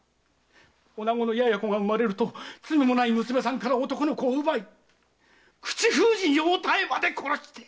女子の稚児が産まれると罪のない娘さんから男の子を奪い口封じにお妙まで殺して！